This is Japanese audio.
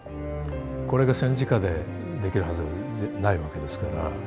これが戦時下でできるはずないわけですから。